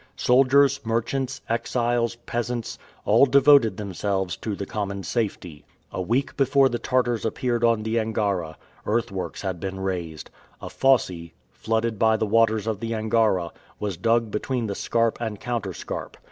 Soldiers, merchants, exiles, peasants, all devoted themselves to the common safety. A week before the Tartars appeared on the Angara, earth works had been raised. A fosse, flooded by the waters of the Angara, was dug between the scarp and counterscarp.